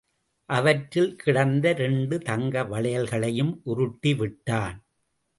அவற்றில் கிடந்த இரண்டு தங்க வளையல்களையும் உருட்டி விட்டான்.